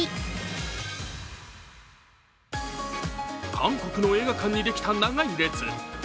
韓国の映画館にできた長い列。